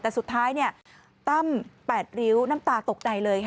แต่สุดท้ายตั้มแปดริ้วน้ำตาตกใดเลย